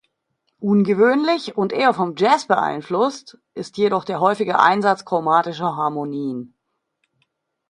Ungewöhnlich und eher vom Jazz beeinflusst ist jedoch der häufige Einsatz chromatischer Harmonien.